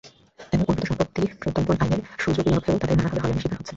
এমনকি অর্পিত সম্পত্তি প্রত্যর্পণ আইনের সুযোগলাভেও তাদের নানাভাবে হয়রানির শিকার হতে হচ্ছে।